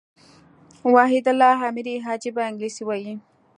وحيدالله اميري عجبه انګلېسي وايي.